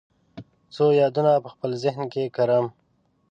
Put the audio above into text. څو یادونه په خپل ذهن کې کرم